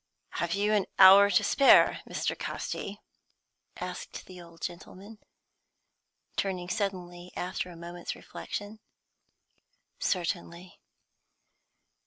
"Have you an hour to spare, Mr. Casti?" asked the old gentleman, turning suddenly after a moment's reflection. "Certainly."